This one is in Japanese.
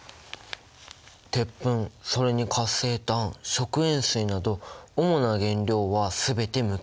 鉄粉それに活性炭食塩水など主な原料は全て無機物質。